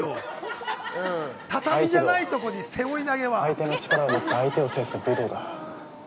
相手の力をもって相手を制す武道だ。